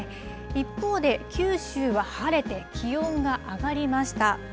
一方で、九州は晴れて気温が上がりました。